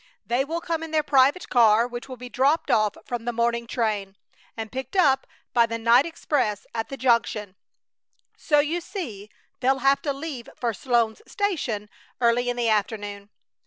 They will come in their private car, which will be dropped off from the morning train and picked up by the night express at the Junction, so you see they'll have to leave for Sloan's Station early in the afternoon.